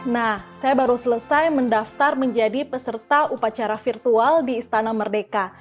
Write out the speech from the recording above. nah saya baru selesai mendaftar menjadi peserta upacara virtual di istana merdeka